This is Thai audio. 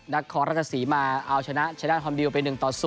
นักคอรัฐศรีมาเอาชนะชนะฮอมดิวไป๑๐